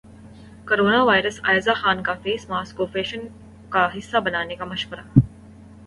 corona virus Ayeza Khan کا face mask کو fashion کا حصہ بنانے کا مشورہ